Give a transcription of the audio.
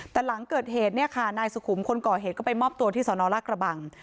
แต่หลังเกิดเหตุเนี่ยค่ะนายสุขุมคนก่อเหตุก็ไปมอบตัวที่สนราชกระบัง